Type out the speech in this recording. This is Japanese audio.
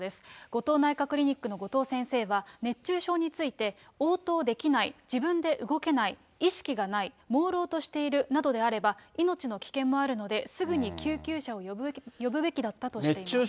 ごとう内科クリニックの後藤先生は熱中症について応答できない、自分で動けない、意識がない、もうろうとしているなどであれば、命の危険もあるので、すぐに救急車を呼ぶべきだったとしています。